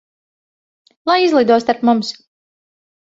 Lai izlido starp mums.